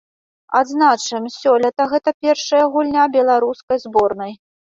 Адзначым, сёлета гэта першая гульня беларускай зборнай.